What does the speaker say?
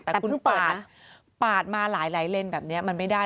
แต่คุณปาดปาดมาหลายเลนแบบนี้มันไม่ได้